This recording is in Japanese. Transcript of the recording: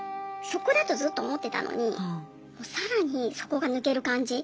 底だとずっと思ってたのに更に底が抜ける感じ？